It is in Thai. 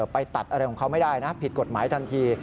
ไปตัดอะไรของเขาไม่ได้นะผิดกฎหมายทันที